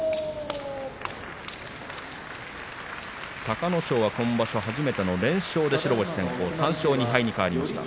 隆の勝は今場所初めての連勝で白星先行、３勝２敗に変わりました。